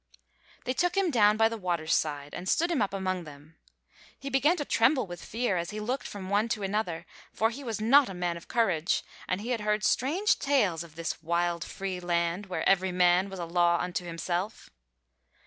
They took him down by the water's side and stood him up among them. He began to tremble with fear as he looked from one to another, for he was not a man of courage, and he had heard strange tales of this wild, free land, where every man was a law unto himself.